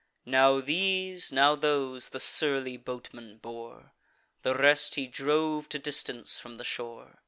Now these, now those, the surly boatman bore: The rest he drove to distance from the shore.